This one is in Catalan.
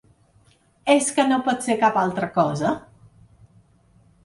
És que no pot ser cap altra cosa.